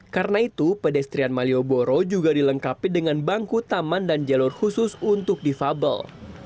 karena itu pedestrian malioboro juga dilengkapi dengan bangku taman dan jalur khusus untuk difabel